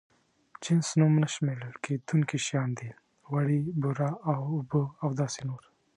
جنس نوم نه شمېرل کېدونکي شيان دي: غوړي، بوره، اوبه او داسې نور.